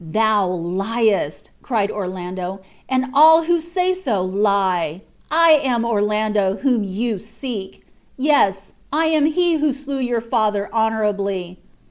"Thou liest," cried Orlando; "and all who say so lie. I am Orlando, whom you seek; yes, I am he who slew your father honorably.